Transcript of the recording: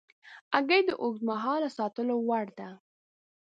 هګۍ د اوږد مهاله ساتلو وړ ده.